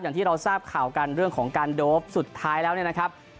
อย่างที่เราทราบข่าวกันเรื่องของการโดปสุดท้ายแล้วเนี่ยนะครับ